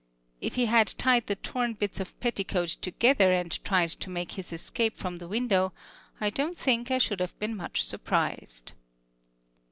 If he had tied the torn bits of petticoat together and tried to make his escape from the window, I don't think I should have been much surprised....